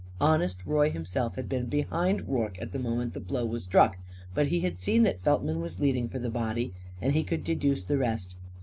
Honest Roy himself had been behind Rorke at the moment the blow was struck. But he had seen that Feltman was leading for the body. And he could deduce the rest.